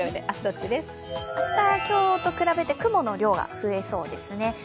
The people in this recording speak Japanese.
明日、今日と比べて雲の量が増えそうですね。